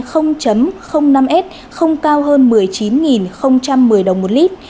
dầu mazut một trăm tám mươi cst ba năm s không cao hơn một mươi chín một mươi đồng một lit